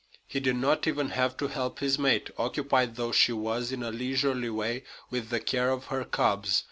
He did not even have to help his mate, occupied though she was, in a leisurely way, with the care of her cubs.